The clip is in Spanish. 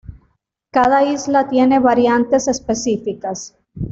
Cada isla tiene variantes específicas.